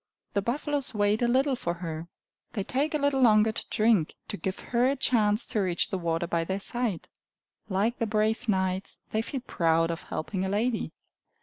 The buffaloes wait a little for her! They take a little longer to drink, to give her a chance to reach the water by their side. Like the brave knights, they feel proud of helping a lady.